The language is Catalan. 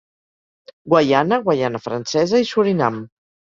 Guaiana, Guaiana Francesa i Surinam.